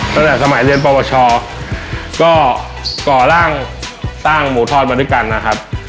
ตั้งแต่สมัยเรียนประวัติศาสตร์ก็ก่อร่างตั้งหมูทอดมาด้วยกันนะครับ